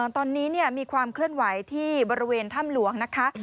ตอนนี้มีความเคลื่อนไหวที่บริเวณถ้ำหลวงนะคะ